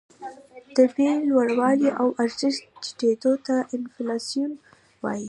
د بیې لوړوالي او ارزښت ټیټېدو ته انفلاسیون وايي